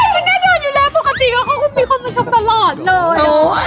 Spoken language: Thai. ก็แน่นอนอยู่แล้วปกติอะเค้าคงมีคนมาชมตลอดเลย